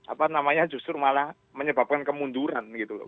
apa namanya justru malah menyebabkan kemunduran gitu loh